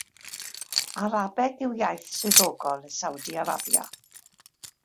Arabeg yw iaith swyddogol Saudi Arabia.